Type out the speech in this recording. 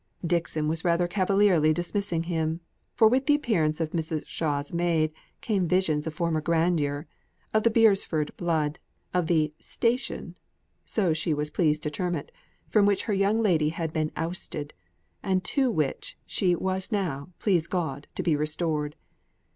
Dixon was rather cavalierly dismissing him; for with the appearance of Mrs. Shaw's maid, came visions of former grandeur, of the Beresford blood, of the "station" (so she was pleased to term it) from which her young lady had been ousted, and to which she was now, please God, to be restored.